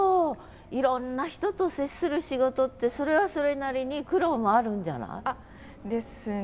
いろんな人と接する仕事ってそれはそれなりに苦労もあるんじゃない？ですね。